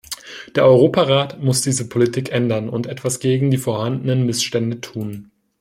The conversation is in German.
Der Europarat muss diese Politik ändern und etwas gegen die vorhandenen Missstände tun.